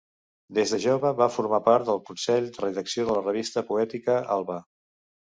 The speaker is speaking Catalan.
Des de jove va formar part del Consell de Redacció de la revista poètica Alba.